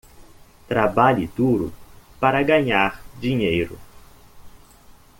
Trabalhe duro para ganhar dinheiro